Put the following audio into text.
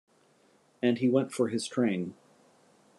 And he went for his train.